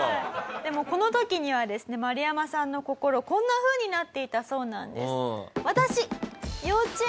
でもこの時にはですねマルヤマさんの心こんなふうになっていたそうなんです。